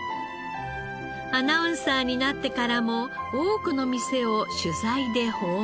アナウンサーになってからも多くの店を取材で訪問。